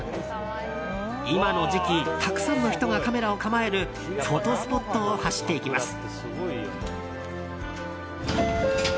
今の時期たくさんの人がカメラを構えるフォトスポットを走っていきます。